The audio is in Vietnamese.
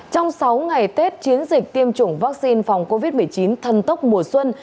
trong ngày tết chiến dịch tiêm chủng vaccine phòng covid một mươi chín thân tốc mùa xuân